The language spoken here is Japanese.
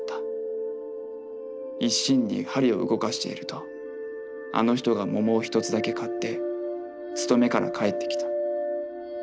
一心に針を動かしているとあの人が桃を一つだけ買って勤めから帰ってきた。